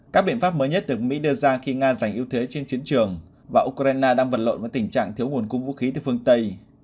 các biện pháp mới nhất được mỹ đưa ra khi nga giành ưu thế trên chiến trường và ukraine đang vật lộn với tình trạng thiếu nguồn cung vũ khí từ phương tây